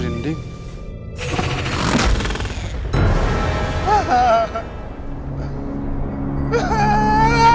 ini rumah rending